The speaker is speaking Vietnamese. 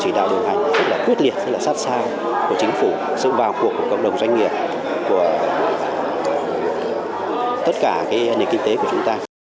chỉ đạo điều hành rất là quyết liệt rất là sát sao của chính phủ sự vào cuộc của cộng đồng doanh nghiệp của tất cả nền kinh tế của chúng ta